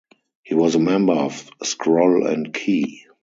He was a member of Scroll and Key.